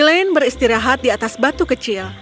elaine beristirahat di atas batu kecil